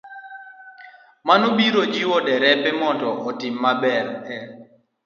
Mano biro jiwo derepe mondo otim maber e